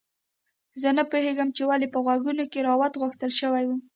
زه نه پوهیږم ولې په غوږونو کې روات غوښتل شوي وو